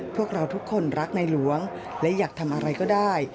พวกเราทุกคนรักในหลวงและอยากทำอะไรก็ได้